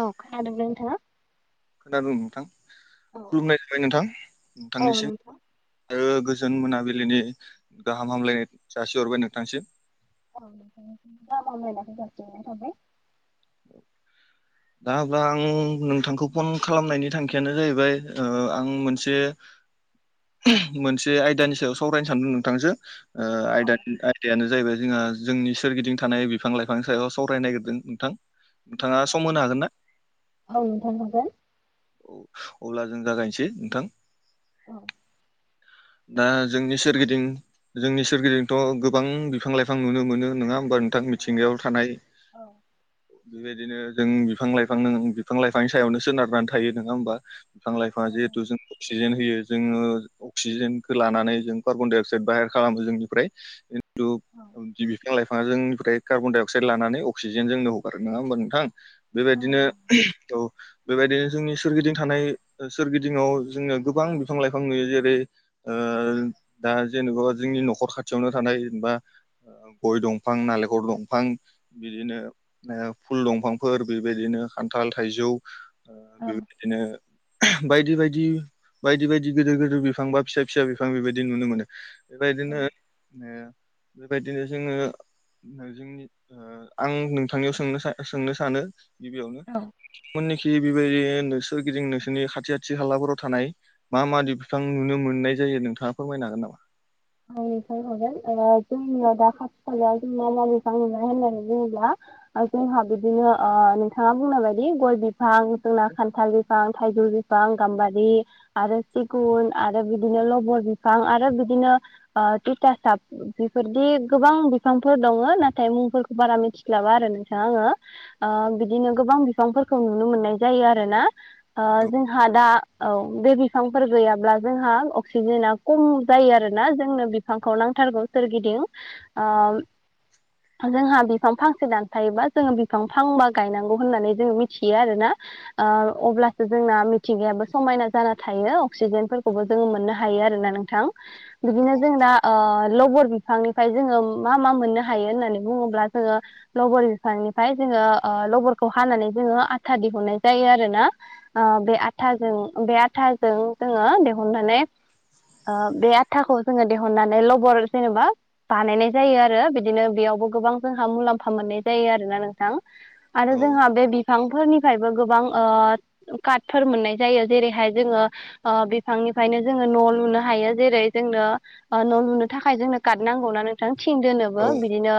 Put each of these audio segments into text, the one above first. औ खादों ना नोंथाङा खोनादोंं नोंथां औ खुलुमनाय जाबाय नोंथां औ नोंथांनिसिम नोंथां ओ गोजोन मोनाबिलिनि गाहाम हामलायनाय जासिहरबाय नोंथांसिम औ नोंथांनिसिमबो गाहाम हामलायनाय जासिहरबाय [unintelligible] दा अब्ला आं नोंथांखौ फन खालामनायनि थांखियानो जाहैबाय आं मोनसे मोनसे आयदानि सायाव सावरायनो सानदों नोंथांजों ओ औ आयदानि आयदायानो जाहैबाय जोंहा जोंनि सोरगिदिं थानाय बिफां लाइफां सायाव सावरायनो नागिरदों नोंथां नोंथाङा सम होनो हागोन ना? औ नोंथां हागोन औ अब्ला जों जागायनोसै नोंथां औ दा जोंनि सोरगिदिं जोंनि सोरगिदिंथ' गोबां बिफां लाइफां नुनो मोनो नङा होमब थां औ मिथिंगायाव थानाय औ बेबायदिनो जों बिफां लाइफां बिफां लाइफांनि सायावनो सोनारनानै थायो नङा होमबा बिफां औ लाइफां जिहुथु जोंनो अक्सिजेन जोङो अक्सिजेनखौ लानानै जों कार्बन डाइअक्साइ बाहेर खालामो जोंनिफ्राय दु जि बिफां लाइफां मा जोंनिफ्राय कार्नडाइ अक्साइड लानानै अक्सिजेन जोंनो हगारो नङा होमबा नोंथां बेबायदिनो औ बेबायदिनो जोंनि सोरगिदिं थानाय सोरगिदिङाव जोङो गोबां बिफां लाइफां नुयो जेरै दा जेनेबा जोंनि न'खर खाथियावनो थानाय जेनेबा गय दंफां नालेंखर दंफां बिदिनो फुल दंफांफोर बेबायदिनो खान्थाल थाइजौ औ बेबायदिनो बायदि बायदि बायदि बायदि गोदिर गोदिर बिफां बा फिसा फिसा बिफां बेबायदि नुनो मोनो बेबायदिनो बेबायदिनो जोङो जोंनि आं नोंथांनियाव सोंनो सोंनो सानो गिबियावनो औ [unintelligible] बेबायदि नों सोरगिदिं नोंसोरनि खाथि खाथि खालाफोराव थानाय मा मा बिफां नुनो मोननाय जायो नोंथाङा फोरमायनाय जागोन नामा [unintelligible] जोंहा बिदिनो नोंथाङा बुंनाय बायदि गय बिफां जोंना खान्थाल बिफां थाइजौ बिफां गाम्बारि आरो सिगुन आरो बिदिनो लबर बिफां आरो बिदिनो तिथासाब बेफोरबादि गोबां बिफांफोर दङ नाथाय मुंफोरखौ बारा मिथिला नोंथां आङो बिदिनो गोबां बिफांफोरखौ नुनो मोननाय जायो आरोना औ जोंहा दा औ बे बिफांफोर गैयाब्ला जोंहा अक्सिजेना खम जायो आरो ना जोंनो बिफांखौ नांथारगौ सोरगिदिं जोंहा बिफां फांसे दानफायोबा जोङो बिफां फांबा गायनांगौ होननानै जोङो मिथियो आरोना अब्लासो जोंना मिथिंगायाबो समायना जाना थायो अक्सिजेनफोरखौबो जोङो मोननो हायो आरोना नोंथां बिदिनो जों दा लबर बिफांनिफ्राय जोङो मा मा मोननो हायो होननानै बुङोब्ला जोङो लबर बिफांनिफ्राय जोङो लबरखौ हानानै जोङो आथा दिहुननाय जायो आरोना बे आथाजों बे आथाजों जोङो दिहुननानै बे थाखौ जोङो दिहुननानै लबर जेनेबा बानायनाय जायो आरो बिदिनो बेयावबो गोबां जोंहा मुलाम फा मोननाय जायो आरोना नोंथां बिफांफोरनिफ्रायबो गोबां काटफोर मोननाय जायो जेरैहाय जोङो बिफांनि निफ्रायनो जोङो न' लुनो हायो जेरै जोंनो न' लुनो थाखाय जोंनो कात नांगौना नोंथां थिं दोनोबो औ बिदिनो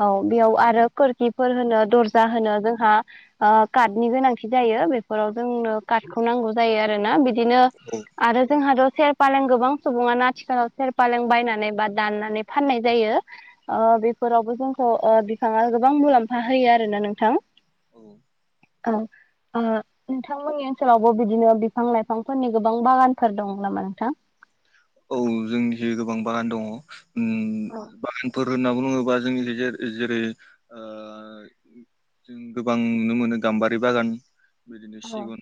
औ बेयाव आरो खोरखिफोर होनो दर्जा होनो जोंहा कातनि गोनांथि जायो बेफोराव जोंनो कातखौ नांगौ जायो आरोना बिदिनो औ बिदिनो आरो जोंहाथ' सेर फालें गोबां सुबुङाना आथिखालाव सेर पालें बायनानै बा दाननानै फाननाय जायो बेफोरावबो जोंखौ बिफाङा गोबां मुलाम्फा होयो आरोना नोंथां औ औ नोंथांमोननि ओनसोलावबो बिदिनो बिफां लाइफांफोरनि गोबां बागानफोर दं नामा नोंथां औ जोंनि जि गोबां बागान दङ औ बागान फोर होनना बुङोब्ला जों जेरै जों गोबां नुनो मोनो गाम्बारि बागान बिदिनो औ सिगुन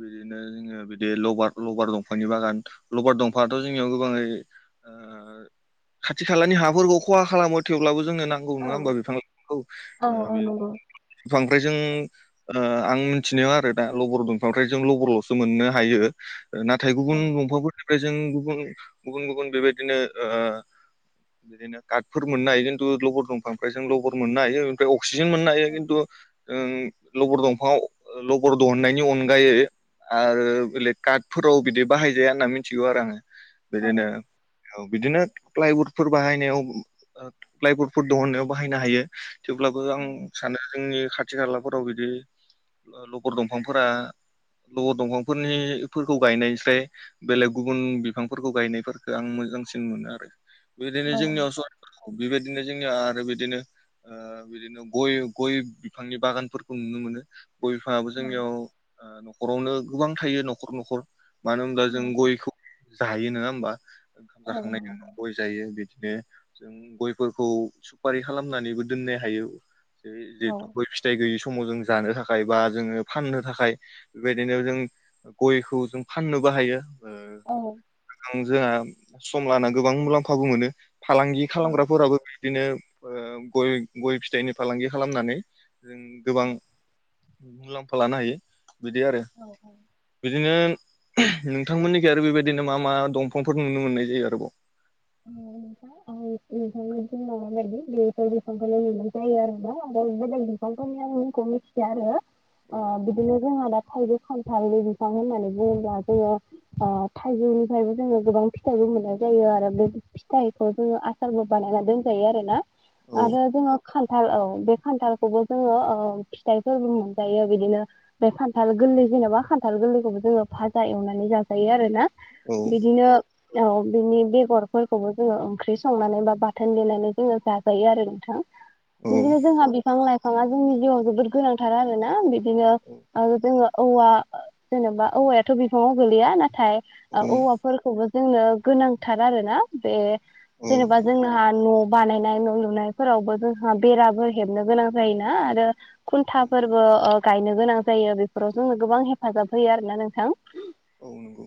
बिदिनो जोङो बिदि लबार लबार दंफांनि बागान लबार दंफाङाथ' जोंनियाव गोबाङै खाथि खालानि हाफोरखौ खहा खालामो थेवब्लाबो जोंनो नांगौ औ नङा होमबा बिफां लाइफांखौ बिफांफ्राय जों आं मिथिनायाव आरो ना लबर दफांनिफ्राय जों लबरल'सो मोननो हायो नाथाय गुबुन दंफांफोरनिफ्राय जों गुबुन गुबुन गुबुन बेबायदिनो बिदिनो काटफोर मोननो हायो खिनथु लबर दंफांनिफ्राय जों लबर मोननो हायो ओमफ्राय अक्सिजेन मोननो हायो खिन्थु लबर दंफाङाव लबर दिहुननायनि अनगायै आरो बेलेग कातफोराव बिदि बाहायजाया होनना मिथिगौ आरो आङो औ बिदिनो औ बिदिनो प्लाइबडफोर बाहायनायाव प्लाइबडफोर दिहुननायाव बाहायनो हायो थेवब्लाबो आं सानो जोंनि खाथि खालाफोराव बिदि लबर दंफांफोरा लबर दंफांफोरनिफोरखौ गायनायनिस्राय बेलेग गुबुन बिफांफोरखौ गायनायफोरखौ आं मोजांसिन मोनो आरो बेबायदिनो औ जोंनियाव स बेबायदिनो जोंनिया आरो बिदिनो बिदिनो गय गय बिफांनि बागानफोरखौ नुनो मोनो गय बिफाङाबो जोंनियाव ओ न'खरावनो गोबां थायो न'खर न'खर मानो होनबा जों औ गयखौ जायो नङा होमबा ओंखाम जाखांनायनि उनाव गय जायो बिदि बि जों गयफोरखौ सुपारि खालामनानैबो दोननो हायो जे द गय फिथाइ गैय समाव जों जानो थाखाय बा जोङो फाननो थाखाय बेबायदिनो जों गयखौ जों फाननोबो हायो ओ औ जोंहा सम लाना गोबां मुलाम्फाबो मोनो फालांगि खालामग्राफोराबो बिदिनो ओ गय गय फिथाइनि फालांगि खालामनानै जों गोबां मुलाम्फा लानो हायो बिदि आरो बिदिनो नोंथांमोननिखि आरो बेबायदिनो मा मा दंफांफोर नुनो मोननाय जायो आरोबाव दावार [unintelligible] [unintelligible] बिफांफोरनि मुंखौ आङो मिथिया आरो औ बिदिनो जों थाइजौ खान्थालि बिफां होननानै बुङोब्ला जोङो ओ थाइजौनिफ्रायबो जोङो गोबां फिथाइबो मोननाय जायो आरो बे फिथाइखौ जोङो आसारबो बानायना दोनजायो आरो ना औ आरो जोङो खान्थाल औ बे खान्थालखौबो जोङो फिथाइफोरबो मोनजायो बिदिनो बे खान्थाल गोरलै जेनेबा खान्थाल बो जोङो फाजा एवनानै जाजायो आरोना बिदिनो औ बिनि बेगर फोरखौबो जोङो ओंख्रि संनानै बा बाथोन देनानै जोङो जाजायो आरो नोंथां औ बिदिनो जोंहा बिफां लाइफाङा जोंनि जिउआव जोबोद गोनांथार आरोना बिदिनो आरो जोङो औवा जेनेबा औवायाथ' बिफाङाव गोलैया नाथाय औ औवाफोरखौबो जोंनो गोनांथार आरो ना बे औ जेनेबा जोंहा न' बानायनाय न' लुनायफोरावबो जोंहा बेराफोर हेबनो गोनां जायोना आरो औ खुन्थाफोरबो गायनो गोनां जायो बेफोराव जोंनो गोबां हेफाजाब होयो आरोना नोंथां औ नंगौ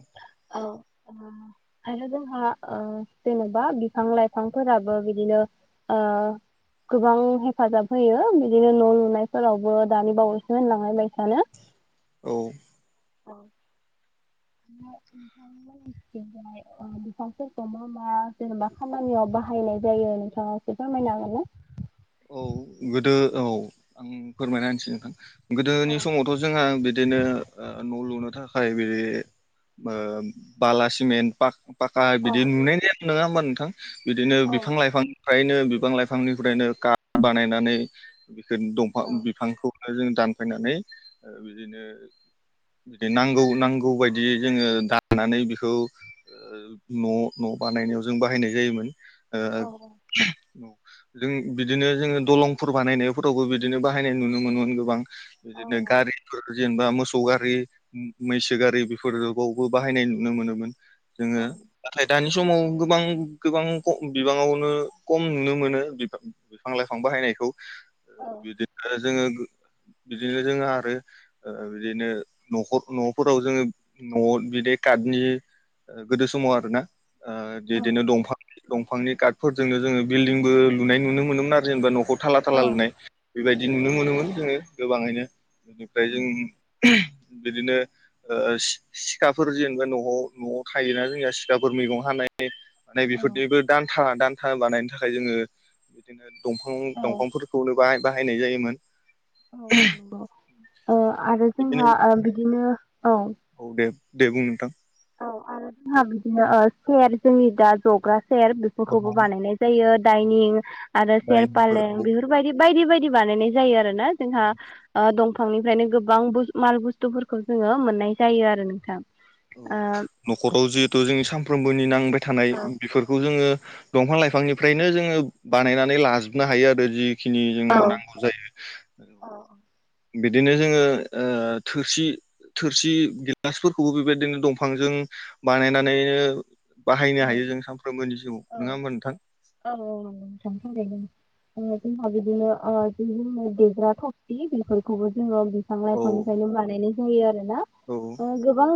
औ आरो जोंहा ओ जेनेबा बिफां लाइफांफोराबो बिदिनो ओ गोबां हेफाजाब होयो बिदिनो न' लुनायफोरावबो दानि बावैसो होनलांनाय बायसानो औ [unintelligible] बिफांरखौ मा मा जेनेबा खामानियाव बाहायनाय जायो नोंथाङा एसे फोरमायनो हागोन ना औ गोदो औ आं फोरमायना होनोसै नोंथां औ गोदोनि समावथ' जोंहा बिदिनो न' लु नो थाखाय बि बाला सिमेन्ट पाका औ बिदि नुनाय जा नङा होमबा नोंथां बिदिनो औ बिफां लाइफांनिफ्रायनो बिफां लाइफांनिफ्रायनो खा बानायनानै बिखौ दंफां औ बिफांखौ जों दानफायनानै बिदिनो बिदि नांगौ नांगौ बायदि जोङो दानानै बेखौ न' न' बानायनायाव जों बाहायनाय जायोमोन औ जों बिदिनो जोङो दलंफोर बानायनायफोरावबो बिदिनो बाहायनाय नुनो मोनोमोन गोबां औ बिदिनो गारिफोर जेनेबा मोसौ गारि मैसो गारि बेफोर बावबो बाहायनाय नुनो मोनोमोन जोङो औ नाथाय दानि बे समाव गोबां गोबां बिबाङावनो खम नुनो मोनो बिफां लाइफां बाहायनायखौ औ बिदिनो आरो जोङो बिदिनो जोङो आरो बिदिनो न'खर न'फोराव जोङो न'आव बिदि नि गोदो समाव आरो ना औ बिदिनो दंफां दंफांनि कार्टफोरजोंनो जोङो बिल्डिंबो लुनाय नुनो मोनो मोनोमोन आरो जेनेबा न'खौ थाला थाला औ लुनाय बेबायदि नुनो मोनोमोन जोङो गोबाङैनो बेनिफ्राय जों बिदिनो सिखाफोर जेनेबा न'आव न'आव थायोना जोंनिया सिखाफोर मैगं हानाय [unintelligible] माने बेफोरनिबो दान्था दान्था बानायनो थाखाय जोङो बिदिनो दंफां औ दंफांफोरखौ बाहाय बाहायनाय जायोमोन औ औ नंगौ आरो बिदिनो जोंहा बिदिनो औ दे बुं नोंथां औ आरो जोंहा बिदिनो सेयार जोंनि दा जग्रा सेयार बेफोरखौबो बानायनाय जायो दाइनफोराव दाइनिं आरो सेयार फालें बेफोरबायदि बायदि बायदि बायदि बानायनाय जायो आरोना जोंहा दंफां बिफांनिफ्रायनो गोबां माल बुस्थुफोरखौ जोङो मोननाय जायो आरो नोंथां औ न'खराव जिहेतु जों सानफ्रोमबोनि नांबाय थानाय बेफोरखौ जोङो दंफां लाइफांनिफ्रायनो जोङो बानायनानै लाजोबनो हायो आरो जि बेखिनि ओ जोंनो नांगौ जायो औ बिदिनो जोङो थोरसि थोरसि गिलासफोरखौबो बेबायदिनो दंफांजों बानायनानैनो बाहायनो हायो जों सानफ्रोमबोनि जिउआव औ नङा होमबा नोंथां औ नंगौ नोंथां थारैनो जोंहा बिदिनो देग्रा थफथि बेफोरखौबो जोङो औ खौबो बानाय जायो आरोना औ गोबां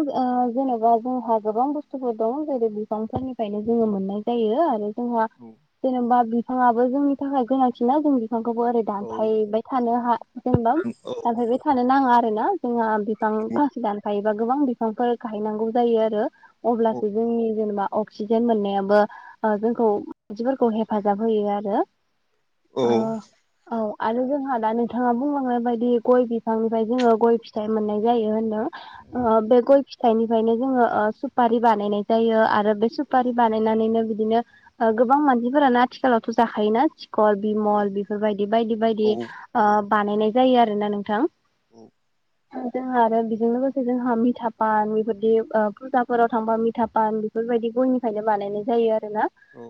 जेन'बा जोंहा गोबां बुस्थुफोर दं जेरै बिफांफोरनिफ्रायनो जोङो मोननाय जायो आरो जोंहा औ जेनेबा बिफाङाबो जोंनि थाखाय गोनांथिना जोंनि बिफांखौबो ओरै औ दानफायबाय थानो हा जेनेबा औ दानफायबाय थानो नाङा आरो ना जोंहा बिफां फांसे दानफायोबा गोबां बिफांफोर गायनांगौ जायो आरो अब्लासो जोंनि जेनेबा अक्सिजेन मोननायाबो जोंखौ मानसिफोरखौ हेफाजाब होयो आरो औ ओ औ औ आरो जोंहा दा नोंथाङा बुंलांनाय बायदियै गय बिफांनिफ्राय जोङो गय फिथाइ मोननाय जायो होनदों बे गय फिथाइनिफ्रायनो जोङो सुपारि बानायनाय जायो आरो बे सुपारि बानायनानैनो बिदिनो गोबां मानसिफोरानो आथिखालावथ' जाखायोना सिंगल बिमल बेफोरबायदि बायदि औ बायदि बानायनाय जायो आरो ना नोंथां [inaudible] जोंहा आरो बेजों लोगोसे जोंहा मिथापान बेफोरदि फुजाफोराव थांबा मिथापान बेफोरबायदि गयनिफ्रायनो बानायनाय जायो आरोना औ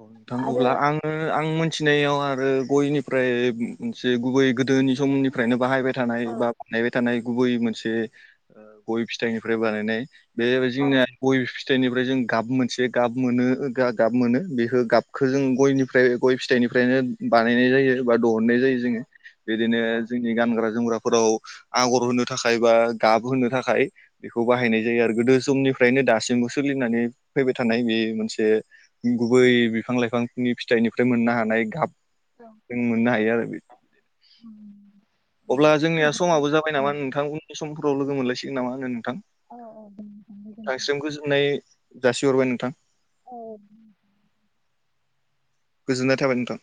औ नोंथां आरो अब्ला आङो आं मोनथिनायाव आरो गयनि ओमफ्राय मोनसे गुबै गोदोनि समनिफ्रायनो बाहायबाय थानाय औ बा बानायबाय थानाय गुबै मोनसे गय फिथाइनिफ्राय बानायनाय बे जोंनिया गय फिथाय फिथाइनिफ्राय जों गाब मोनसे गाब मोनो गाब मोनो बेखौ गाबखौ जों गयनिफ्राय गय फिथाइनिफ्रायनो बानायनाय जायो बा बहननाय जायो जोंङो बिदिनो औ जोंनि गानग्रा जोमग्रा फोराव आगर होनो थाखाय बा गाब होनोनो थाखाय बेखौ बाहायनाय जायो आरो गोदो जोंनि फ्रायनो दासिमबो सोलिनानै फैबाय थानाय नुयो मोनसे गुबै बिफां लाइफांनि फिथाइनिफ्राय मोननो हानाय गाब औ मोननो हायो आरो औ अब्ला जोंनिया बिदिब्ला समाबो जाबाय औ नामा नोंथांनि सम उनफ्राव लोगो मोनलायसिगोन नामा आङो नोंथां औ औ दे नोंथां, गोजोनथों। नोंथांसिम गोजोननाय जासि हरबाय नोंथां औ गोजोननाय थाबाय नोंथां